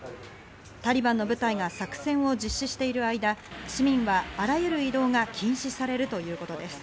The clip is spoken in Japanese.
タリバンの部隊が作戦を実施している間、市民はあらゆる移動が禁止されるということです。